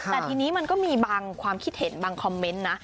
แต่ทีนี้มันก็มีบางความคิดเห็นบางคอมเมนต์นะ